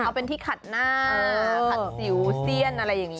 เอาเป็นที่ขัดหน้าขัดสิวเสี้ยนอะไรอย่างนี้